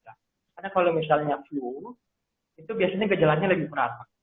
karena kalau misalnya flu itu biasanya kejalannya lebih berat